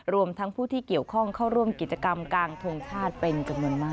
รวมทั้งผู้ที่เกี่ยวข้องเข้าร่วมกิจกรรมกลางทงชาติเป็นจำนวนมาก